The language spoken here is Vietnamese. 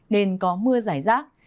nên có mưa giải rác